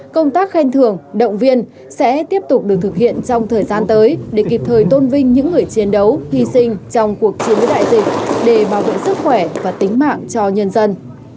công tác khen thưởng động viên sẽ tiếp tục được thực hiện trong thời gian tới để kịp thời tôn vinh những người chiến đấu hy sinh trong cuộc chiến đại dịch để bảo vệ sức khỏe và tính mạng cho nhân dân